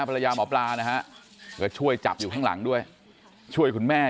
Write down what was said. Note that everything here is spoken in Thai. ภรรยาหมอปลานะฮะก็ช่วยจับอยู่ข้างหลังด้วยช่วยคุณแม่